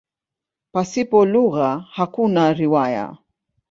Pasipo lugha hakuna riwaya.